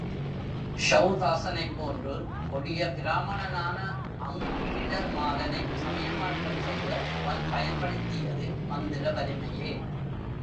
செளதாசனைப்போன்று கொடிய பிராமணனான அங்குலிடமாலனைச் சமயமாற்றம் செய்ய அவர் பயன்படுத்தியது மந்திரவலிமையே.